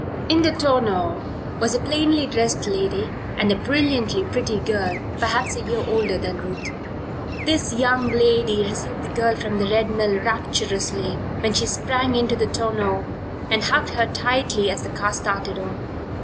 In the tonneau was a plainly dressed lady and a brilliantly pretty girl perhaps a year older than Ruth. This young lady received the girl from the Red Mill rapturously when she sprang into the tonneau, and hugged her tightly as the car started on.